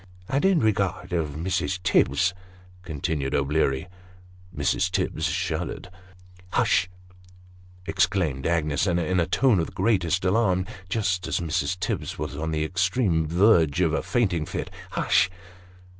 " And in regard of Mrs. Tibbs," continued O'Bleary. Mrs. Tibbs shuddered. " Hush !" exclaimed Agnes, in a tone of the greatest alarm, just as Mrs. Tibbs was on the extreme verge of a fainting fit. " Hush